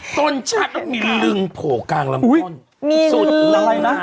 ต้นชาติมันมีลึงโผกลางลำต้นอุ๊ยมีลึง